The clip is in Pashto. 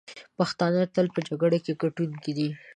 پښتانه تل په جګړه کې ګټونکي دي.